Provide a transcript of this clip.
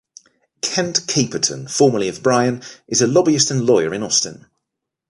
Kent Caperton, formerly of Bryan, is a lobbyist and lawyer in Austin.